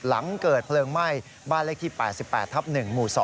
หลังเกิดเพลิงไหม้บ้านเลขที่๘๘ทับ๑หมู่๒